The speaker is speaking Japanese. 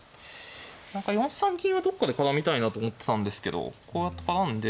何か４三銀はどっかで絡みたいなと思ってたんですけどこうやって絡んで。